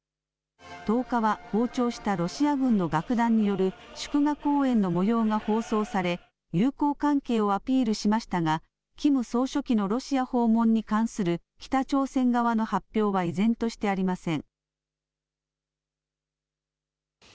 １０日は訪朝したロシア軍の楽団による祝賀公演のもようが放送され友好関係をアピールしましたがキム総書記のロシア訪問に関する北朝鮮側の発表は依然としてありません。